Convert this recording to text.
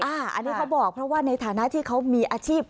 อันนี้เขาบอกเพราะว่าในฐานะที่เขามีอาชีพ